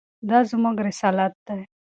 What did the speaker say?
دا زموږ رسالت دی.